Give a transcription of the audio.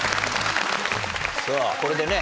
さあこれでね